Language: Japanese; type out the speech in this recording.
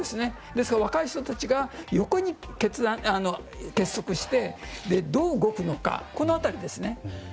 ですから若い人たちが横に結束してどう動くのか、この辺りですね。